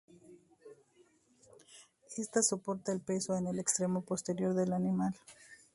Ésta soporta el peso en el extremo posterior del animal.